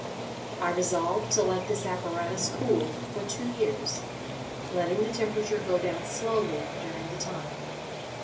I resolved to let this apparatus cool for two years, letting the temperature go down slowly during the time.